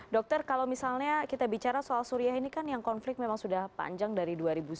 dokter kalau misalnya kita bicara soal suriah ini kan yang konflik memang sudah panjang dari dua ribu sembilan belas